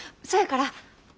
そやから。